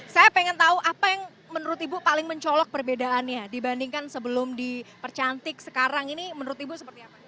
saya pengen tahu apa yang menurut ibu paling mencolok perbedaannya dibandingkan sebelum dipercantik sekarang ini menurut ibu seperti apa